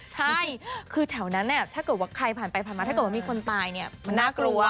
ใช่คือแถวนั้นถ้าเกิดว่าใครผ่านไปผ่านมาถ้าเกิดว่ามีคนตายเนี่ยมันน่ากลัว